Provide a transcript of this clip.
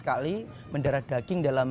atau di berbagai jumlah